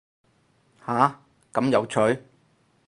下，咁有趣